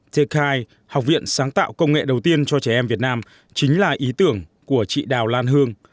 tki học viện sáng tạo công nghệ đầu tiên cho trẻ em việt nam chính là ý tưởng của chị đào lan hương